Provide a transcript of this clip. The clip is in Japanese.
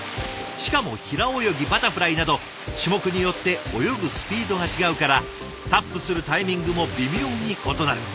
しかも平泳ぎバタフライなど種目によって泳ぐスピードが違うからタップするタイミングも微妙に異なる。